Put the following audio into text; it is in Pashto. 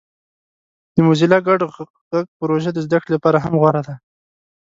د موزیلا ګډ غږ پروژه د زده کړې لپاره هم غوره ده.